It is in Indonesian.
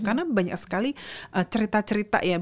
karena banyak sekali cerita cerita